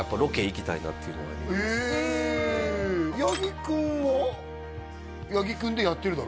へえ八木君は八木君でやってるだろ？